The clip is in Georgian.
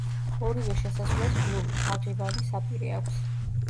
ორივე შესასვლელს გლუვი, თაღივანი საპირე აქვს.